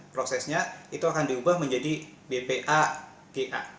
prosesnya itu akan diubah menjadi bpaga